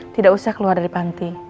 tidak usah keluar dari panti